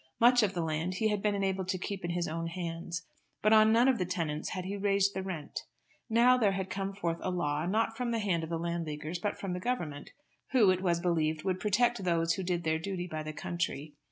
Much of the land he had been enabled to keep in his own hands, but on none of the tenants' had he raised the rent. Now there had come forth a law, not from the hand of the Landleaguers, but from the Government, who, it was believed, would protect those who did their duty by the country.